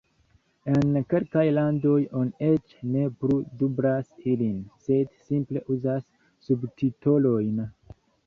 En kelkaj landoj oni eĉ ne plu dublas ilin, sed simple uzas subtitolojn.